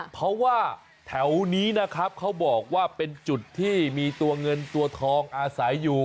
เพราะว่าแถวนี้นะครับเขาบอกว่าเป็นจุดที่มีตัวเงินตัวทองอาศัยอยู่